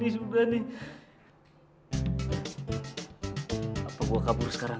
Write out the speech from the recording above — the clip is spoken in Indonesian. apakah saya akan kabur sekarang